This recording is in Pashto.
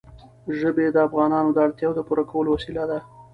ژبې د افغانانو د اړتیاوو د پوره کولو وسیله ده.